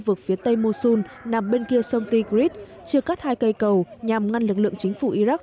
vực phía tây musun nằm bên kia sông tigris chia cắt hai cây cầu nhằm ngăn lực lượng chính phủ iraq